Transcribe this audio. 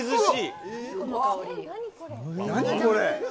何これ？